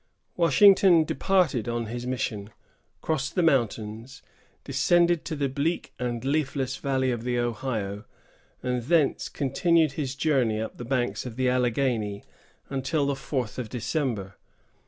Washington departed on his mission, crossed the mountains, descended to the bleak and leafless valley of the Ohio, and thence continued his journey up the banks of the Alleghany until the fourth of December.